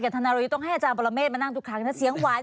ธนารยุทธ์ต้องให้อาจารย์ปรเมฆมานั่งทุกครั้งนะเสียงหวาน